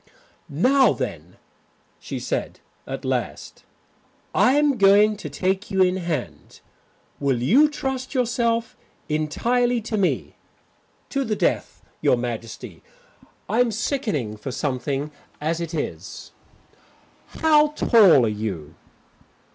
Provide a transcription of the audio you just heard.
"Now then," she said at last, "I am going to take you in hand. Will you trust yourself entirely to me?" "To the death, Your Majesty. I'm sickening for something as it is." "How tall are you?"